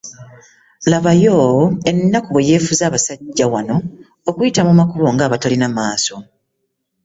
Labayo ennaku bwe yeefuze abasajja wano, okuyita mu makubo ng’abatalina maaso.